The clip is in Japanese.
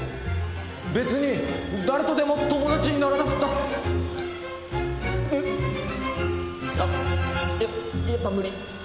別に誰とでも友達にならなくたうっあっやっぱ無理。